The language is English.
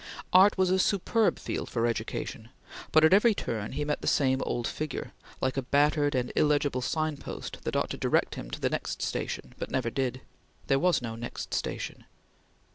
Art was a superb field for education, but at every turn he met the same old figure, like a battered and illegible signpost that ought to direct him to the next station but never did. There was no next station.